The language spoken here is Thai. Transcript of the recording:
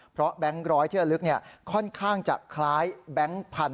เพราะแบงค์ร้อยที่ระลึกค่อนข้างจะคล้ายแบงค์พันธุ